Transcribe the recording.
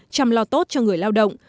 chăm lo tốt cho người lao động